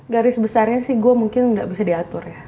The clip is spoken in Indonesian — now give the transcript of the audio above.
garis besarnya sih gue mungkin nggak bisa diatur ya